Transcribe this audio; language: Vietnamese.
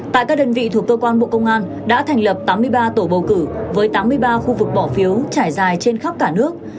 tại các đơn vị thuộc cơ quan bộ công an đã thành lập tám mươi ba tổ bầu cử với tám mươi ba khu vực bỏ phiếu trải dài trên khắp cả nước